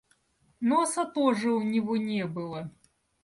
Носа тоже у него не было.